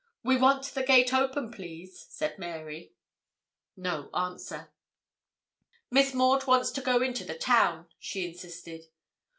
'We want the gate open, please,' said Mary. No answer. 'Miss Maud wants to go into the town,' she insisted.